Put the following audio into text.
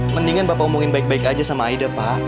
mendingan bapak omongin baik baik aja sama aida pak